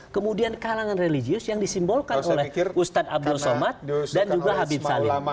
kemudian kalangan religius yang disimbolkan oleh ustadz abdul somad dan juga habib salim